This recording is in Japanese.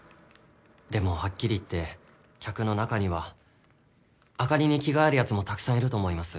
でもはっきり言って客の中にはあかりに気があるやつもたくさんいると思います。